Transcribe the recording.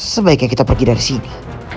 sebaiknya kita pergi dari sini